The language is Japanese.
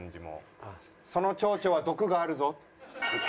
そのチョウチョは毒があるぞ。